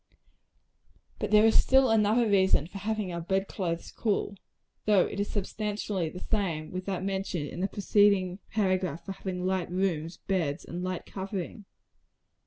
But there is still another reason for having our bed clothes cool though it is substantially the same with that mentioned in a preceding paragraph for having light rooms, beds, and light covering.